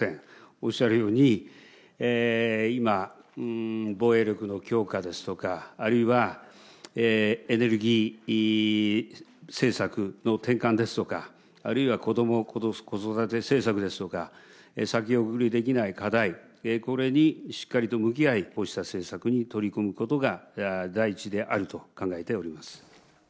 おっしゃるように、今、防衛力の強化ですとか、あるいは、エネルギー政策の転換ですとか、あるいは子ども・子育て政策ですとか、先送りできない課題、これにしっかりと向き合い、こうした政策に取り組むことが第一であると考えております。